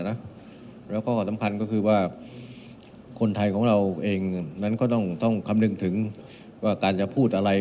แล้วก็สำคัญก็คือว่าคนไทยของเราเองนั้นก็ต้องคำนึงถึงว่าการจะพูดอะไร